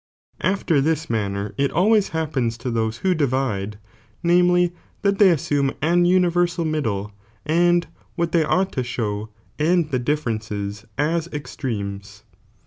After this manner it always happens to those who divide, namely, that they aa iume an universal middle, and what they ought fo show, and the differences as estremes.